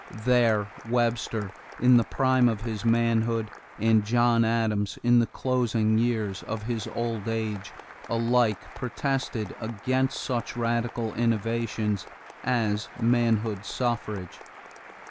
There Webster, in the prime of his manhood, and John Adams, in the closing years of his old age, alike protested against such radical innovations as manhood suffrage.